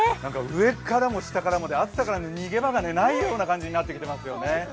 上からも下からもで、暑さからの逃げ場がないような感じになっていますよね。